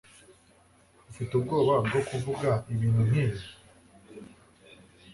Ufite ubwoba bwo kuvuga ibintu nkibi!